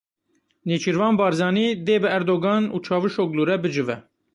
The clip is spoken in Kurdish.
Nêçîrvan Barzanî dê bi Erdogan û Çavuşoglu re bicive.